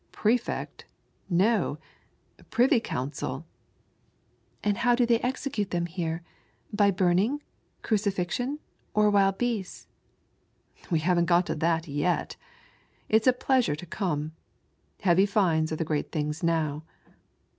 " Prefect, no. Privy Council." " And how do they execute them here, by burning, crucifixion, or wild beasts ?" "We haven't got to that yet. It's a pleasure to come. Heavy fines are the great things now."